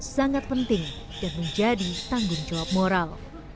sangat penting dan menjadi tanggung jawab moral